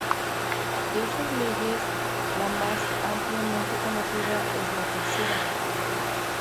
De estas leyes, la más ampliamente conocida es la tercera.